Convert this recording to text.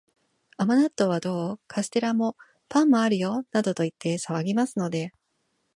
甘納豆はどう？カステラも、パンもあるよ、などと言って騒ぎますので、